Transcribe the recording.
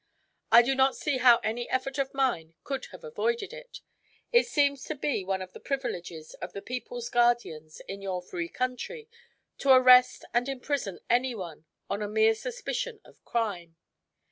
"I do not see how any effort of mine could have avoided it. It seems to be one of the privileges of the people's guardians, in your free country, to arrest and imprison anyone on a mere suspicion of crime.